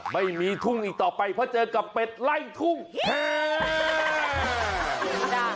ไม่มีทุ่งอีกต่อไปเพราะเจอกับเป็ดไล่ทุ่ง